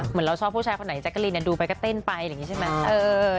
เหมือนเราชอบผู้ชายคนไหนแจ๊กกะลินดูไปก็เต้นไปอะไรอย่างนี้ใช่ไหม